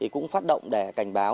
cũng phát động để cảnh báo